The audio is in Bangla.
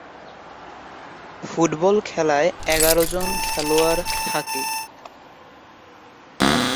ভোলার স্বাধীনতা জাদুঘরে বাঙালির ঐতিহ্য, মুক্তিযুদ্ধ ও বঙ্গবন্ধুর অবদানের দুর্লভ তথ্যচিত্র সংরক্ষণ করা হয়েছে।